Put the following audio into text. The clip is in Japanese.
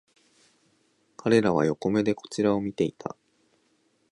彼らは横目でこちらを見ていた